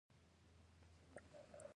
هندوکش د انرژۍ سکتور یوه برخه ده.